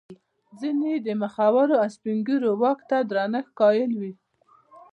ځیني یې د مخورو او سپین ږیرو واک ته درنښت قایل وي.